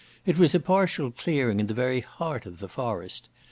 It was a partial clearing in the very heart of the forest.